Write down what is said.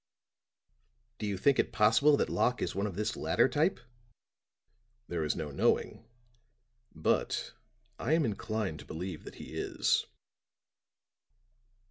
"Do you think it possible that Locke is one of this latter type?" "There is no knowing. But I am inclined to believe that he is."